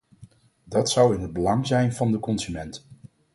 Dat zou in het belang zijn van de consument.